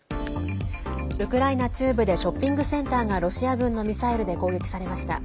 ウクライナ中部でショッピングセンターがロシア軍のミサイルで攻撃されました。